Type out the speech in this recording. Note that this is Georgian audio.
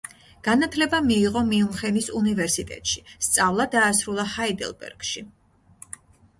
განათლება მიიღო მიუნხენის უნივერსიტეტში; სწავლა დაასრულა ჰაიდელბერგში.